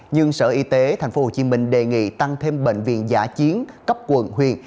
nhưng sở y tế tp hcm đề nghị tăng thêm bệnh viện giả chiến cấp quận huyện